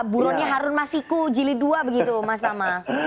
burunnya harun masiku jili ii begitu mas nama